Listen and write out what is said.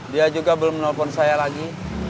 dia juga belum menelpon saya lagi